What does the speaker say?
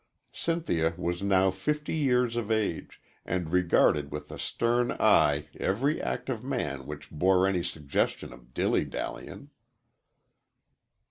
Cynthia was now fifty years of age, and regarded with a stern eye every act of man which bore any suggestion of dilly dallying.